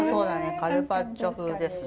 カルパッチョ風ですね。